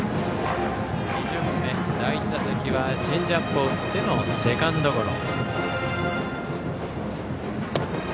２巡目、第１打席はチェンジアップを打ってのセカンドゴロ。